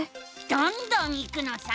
どんどんいくのさ！